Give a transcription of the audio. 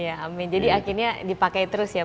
ya amin jadi akhirnya dipakai terus ya